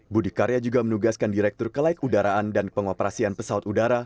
budi karya juga menugaskan direktur kelaik udaraan dan pengoperasian pesawat udara